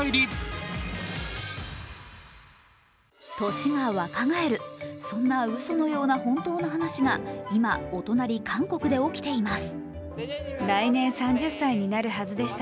年が若返る、そんなうそのような本当の話が今、お隣・韓国で起きています。